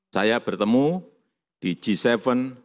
saya bertemu di g tujuh dengan pemimpin pemimpin yang hadir saat itu